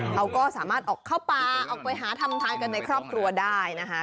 เขาก็สามารถออกเข้าป่าออกไปหาทำทานกันในครอบครัวได้นะคะ